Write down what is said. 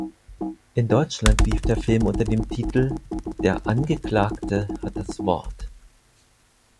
In Deutschland lief der Film unter dem Titel "Der Angeklagte hat das Wort".